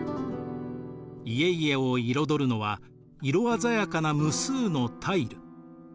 家々を彩るのは色鮮やかな無数のタイル。